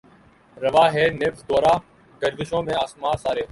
رواں ہے نبض دوراں گردشوں میں آسماں سارے